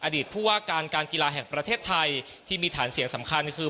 ผู้ว่าการการกีฬาแห่งประเทศไทยที่มีฐานเสียงสำคัญคือ